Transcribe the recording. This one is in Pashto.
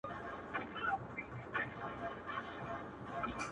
کرۍ شپه به وه پرانیستي دوکانونه.!